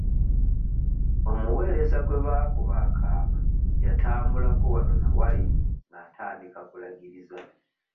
Omuweereza gwe baakuba akaama yatambulako wano na wali ng'atandika kulagiriza.